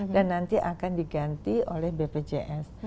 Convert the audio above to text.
dan nanti akan diganti oleh bpjs